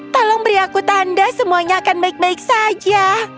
tolong beri aku tanda semuanya akan baik baik saja